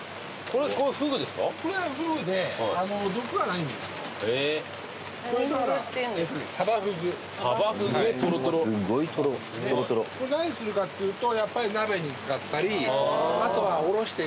これ何にするかっていうとやっぱり鍋に使ったりあとはおろして。